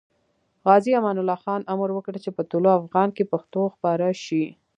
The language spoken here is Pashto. غازي امان الله خان امر وکړ چې په طلوع افغان کې پښتو خپاره شي.